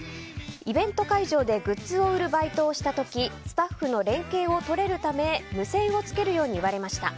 イベント会場でグッズを売るバイトをした時スタッフの連携を取れるため無線をつけるように言われました。